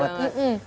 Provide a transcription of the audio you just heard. itu pahit banget